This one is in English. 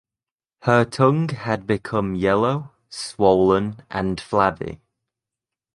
Her tongue had become yellow, swollen, and flabby.